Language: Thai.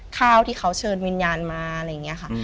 ข้าวที่เขาเชิญวิญญาณมาอะไรอย่างนี้ค่ะ